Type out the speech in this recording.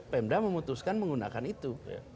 pemda memutuskan menggunakan itu